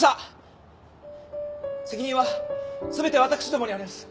責任は全て私どもにあります。